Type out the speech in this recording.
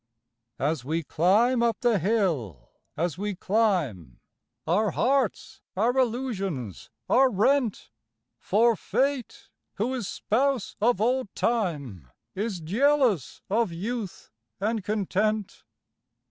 As we climb up the hill, as we climb, Our hearts, our illusions, are rent: For Fate, who is spouse of old Time, Is jealous of youth and content.